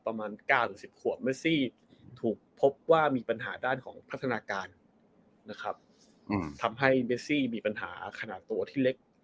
ประมาณ๙๑๐ขวบเมซี่ถูกพบว่ามีปัญหาด้านของพัฒนาการนะครับทำให้เมซี่มีปัญหาขนาดตัวที่เล็ก